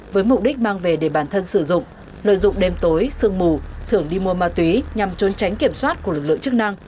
với mục đích mang về để bản thân sử dụng lợi dụng đêm tối sương mù thưởng đi mua ma túy nhằm trốn tránh kiểm soát của lực lượng chức năng